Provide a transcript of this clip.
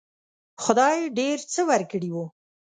خدای ډېر څه ورکړي وو.